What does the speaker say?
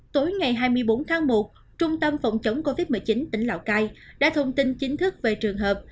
tối ngày hai mươi bốn tháng một trung tâm phòng chống covid một mươi chín tỉnh lào cai đã thông tin chính thức về trường hợp